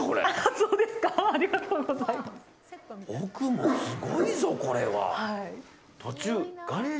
奥もすごいぞ、これは。